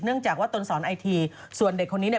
จากว่าตนสอนไอทีส่วนเด็กคนนี้เนี่ย